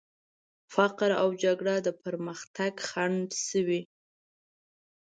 فقر او جګړه د پرمختګ خنډ شوي.